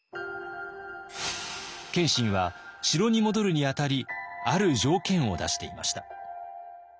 謙信は城に戻るにあたりある条件を出していました。